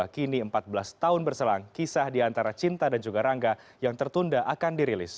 kini empat belas tahun berselang kisah diantara cinta dan juga rangga yang tertunda akan dirilis